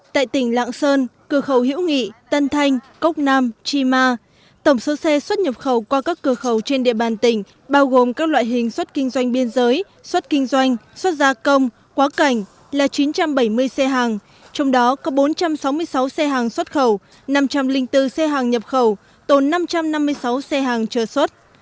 tại tỉnh lạng sơn cửa khẩu hiễu nghị tân thanh cốc nam chi ma tổng số xe xuất nhập khẩu qua các cửa khẩu trên địa bàn tỉnh bao gồm các loại hình xuất kinh doanh biên giới xuất kinh doanh xuất gia công quá cảnh là chín trăm bảy mươi xe hàng trong đó có bốn trăm sáu mươi sáu xe hàng xuất khẩu năm trăm linh bốn xe hàng nhập khẩu tồn năm trăm năm mươi sáu xe hàng trở xuất